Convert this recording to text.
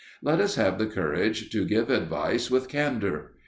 Let us have the courage to give advice with candour.